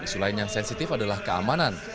isu lain yang sensitif adalah keamanan